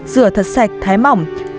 rửa thật sạch thái mỏng